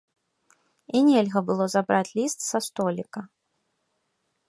І нельга было забраць ліст са століка.